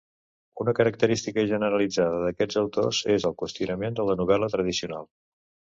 Una característica generalitzada d'aquests autors és el qüestionament de la novel·la tradicional.